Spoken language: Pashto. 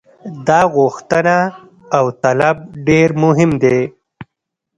دا غوښتنه او طلب ډېر مهم دی.